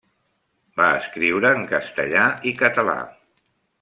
Va escriure en castellà i català.